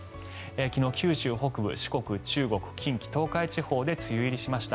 昨日、九州北部、四国、中国近畿、東海地方で梅雨入りしました。